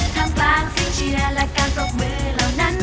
ทางปากซึ่งเชี่ยและการสบมือเหล่านั้น